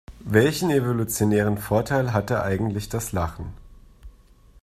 Welchen evolutionären Vorteil hatte eigentlich das Lachen?